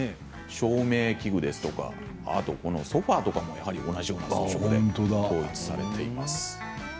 照明器具ですとかソファーも同じような装飾で統一されています。